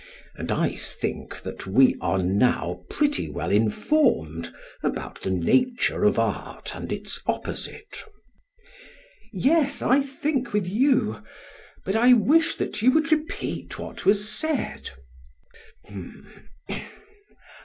And I think that we are now pretty well informed about the nature of art and its opposite. PHAEDRUS: Yes, I think with you; but I wish that you would repeat what was said.